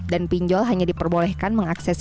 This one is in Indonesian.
dan pinjol hanya diperbolehkan mengakses